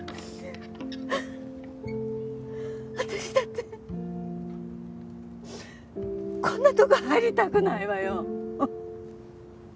私だってこんなとこ入りたくないわよ！